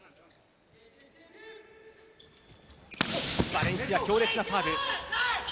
バレンシア強烈なサーブ。